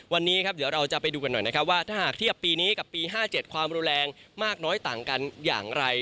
วันนี้ครับเดี๋ยวเราจะไปดูกันหน่อยนะครับว่าถ้าหากเทียบปีนี้กับปี๕๗ความรุนแรงมากน้อยต่างกันอย่างไร